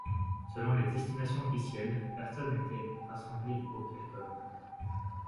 Selon des estimations officielles, personnes étaient rassemblées au Qualcomm.